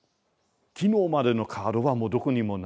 昨日までのカードはもうどこにもない。